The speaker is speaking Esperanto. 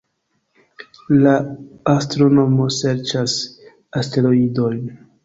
La astronomo serĉas asteroidojn